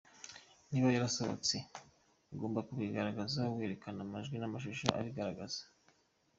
"Niba yarasohotse, ugomba kubigaragaza werekana amajwi n'amashusho abigaragaza.